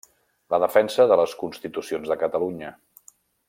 La defensa de les constitucions de Catalunya.